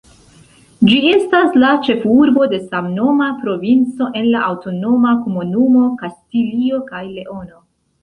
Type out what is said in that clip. Ĝi estas la ĉefurbo de samnoma provinco en la aŭtonoma komunumo Kastilio kaj Leono.